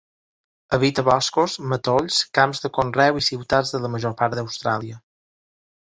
Habita boscos, matolls, camps de conreu i ciutats de la major part d'Austràlia.